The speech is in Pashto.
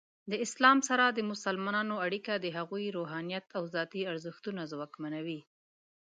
د اسلام سره د مسلمانانو اړیکه د هغوی روحانیت او ذاتی ارزښتونه ځواکمنوي.